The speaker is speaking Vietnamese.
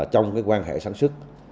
trong quan hệ sản xuất